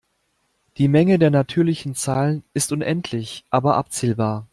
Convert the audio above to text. Die Menge der natürlichen Zahlen ist unendlich aber abzählbar.